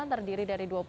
terdiri dari dua puluh dua